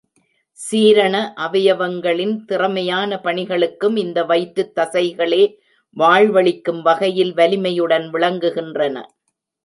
சீரண அவயவங்களின் திறமையான பணிகளுக்கும், இந்த வயிற்றுத் தசைகளே வாழ்வளிக்கும் வகையில் வலிமையுடன் விளங்குகின்றன.